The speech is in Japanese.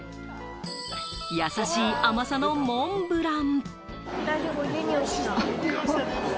優しい甘さのモンブラン。